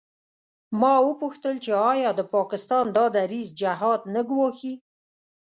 ما وپوښتل چې آیا د پاکستان دا دریځ جهاد نه ګواښي.